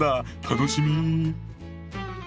楽しみ。